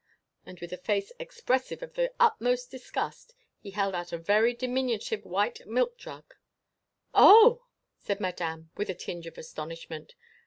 —" And with a face expressive of the utmost disgust he held out a very diminutive white milk jug. "Oh!" said Madame, with a tinge of astonishment.